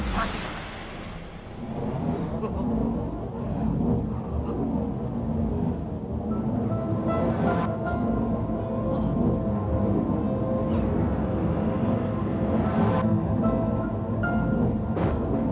masih tak ada